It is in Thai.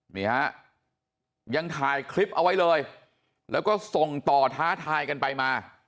นี่ฮะยังถ่ายคลิปเอาไว้เลยแล้วก็ส่งต่อท้าทายกันไปมา